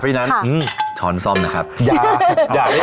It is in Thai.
เพราะฉะนั้นช้อนซ่อมนะครับอย่าอย่าให้ออกไปเลย